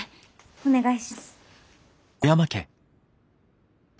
お願いします。